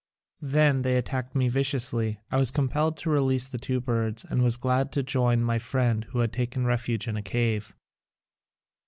Then they attacked me viciously. I was com pelled to release the two birds and was glad to join my friend who had taken refuge in a cave.